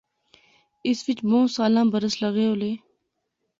اس وچ بہوں سالاں برس لغے ہولے